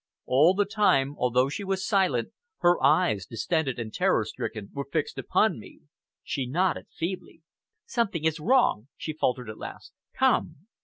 All the time, although she was silent, her eyes, distended and terror stricken, were fixed upon me. She nodded feebly. "Something is wrong!" she faltered at last. "Come!"